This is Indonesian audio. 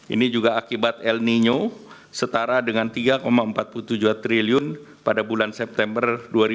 ini juga akibat el nino setara dengan tiga empat puluh tujuh triliun pada bulan september dua ribu dua puluh